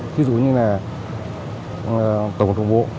thí dụ như là tổng bộ